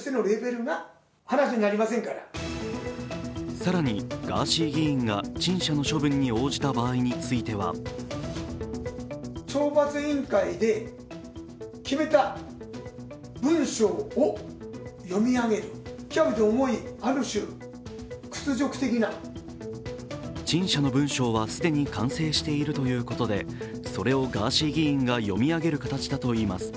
更にガーシー議員が陳謝の処分に応じた場合については陳謝の文章は既に完成しているということで、ガーシー議員が読み上げる形だといいます。